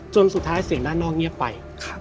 สุดท้ายเสียงด้านนอกเงียบไป